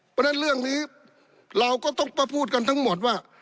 เพราะฉะนั้นเรื่องนี้เราก็ต้องมาพูดกันทั้งหมดว่า